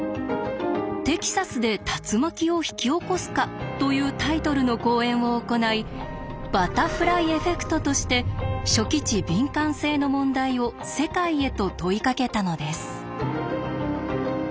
後にというタイトルの講演を行い「バタフライ・エフェクト」として初期値敏感性の問題を世界へと問いかけたのです。